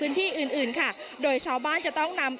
ทุกคนมีความสุขครับได้รับเงินเพราะว่าเขารอมานานแล้วนะครับ